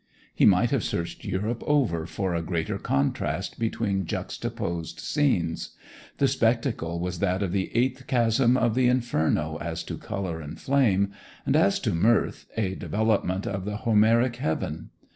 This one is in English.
He might have searched Europe over for a greater contrast between juxtaposed scenes. The spectacle was that of the eighth chasm of the Inferno as to colour and flame, and, as to mirth, a development of the Homeric heaven.